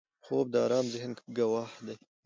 خوب د آرام ذهن ګواه دی